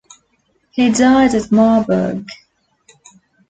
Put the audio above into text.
He died at Marburg.